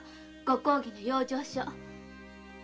ご公儀の「養生所」。